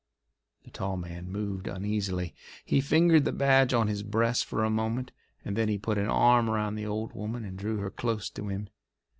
The tall man moved uneasily. He fingered the badge on his breast for a moment, and then he put an arm around the old woman and drew her close to him.